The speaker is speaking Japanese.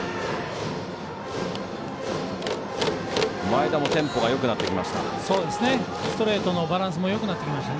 前田のテンポがよくなってきました。